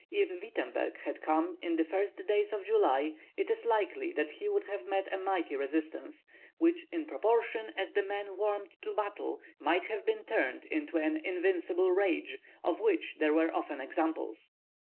If Wittemberg had come in the first days of July, it is likely that he would have met a mighty resistance, which in proportion as the men warmed to battle might have been turned into an invincible rage, of which there were often examples.